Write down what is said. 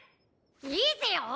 いいぜよ！